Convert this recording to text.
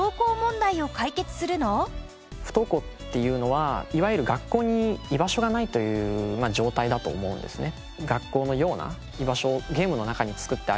不登校っていうのはいわゆる学校に居場所がないという状態だと思うんですね。